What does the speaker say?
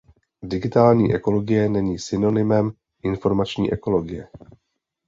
Digitální ekologie není synonymem informační ekologie.